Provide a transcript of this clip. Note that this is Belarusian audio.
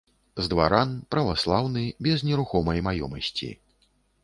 З дваран, праваслаўны, без нерухомай маёмасці.